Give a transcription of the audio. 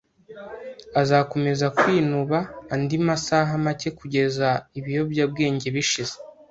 Azakomeza kwinuba andi masaha make kugeza ibiyobyabwenge bishize.